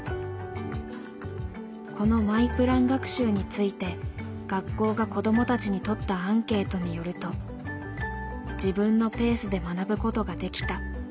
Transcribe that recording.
このマイプラン学習について学校が子どもたちに取ったアンケートによると「自分のペースで学ぶことができた」